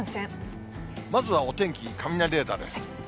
まずはお天気、雷レーダーです。